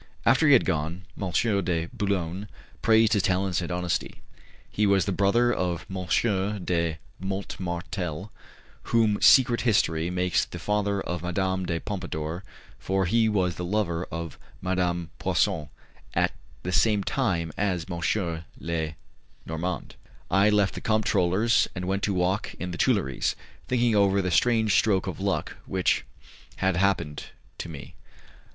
After he had gone, M. de Boulogne praised his talents and honesty. He was the brother of M. de Montmartel, whom secret history makes the father of Madame de Pompadour, for he was the lover of Madame Poisson at the same time as M. le Normand. I left the comptroller's and went to walk in the Tuileries, thinking over the strange stroke of luck which had happened to me.